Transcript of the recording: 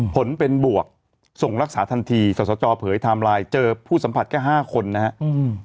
ผลเป็นบวกส่งรักษาทันทีสจเผยไทม์ไลน์เจอผู้สัมผัสแค่ห้าคนนะครับ